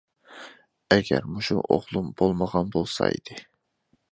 ئەگەر مۇشۇ ئوغلۇم بولمىغان بولسا ئىدى.